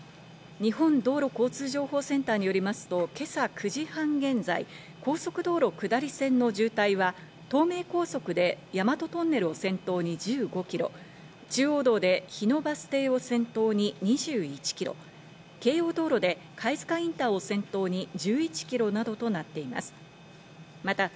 日本道路交通情報センターによりますと今朝９時半現在、高速道路下り線の渋滞は、東名高速で大和トンネルを先頭に１５ｋｍ、中央道で日野バス停を先頭に２１ｋｍ、京葉道路で貝塚インターを先頭に１１ｋｍなどとなっています。